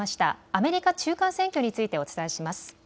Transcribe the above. アメリカ中間選挙についてお伝えします。